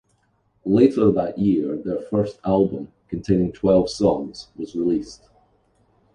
Later that year their first album, containing twelve songs was released.